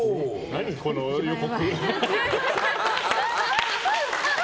何この予告。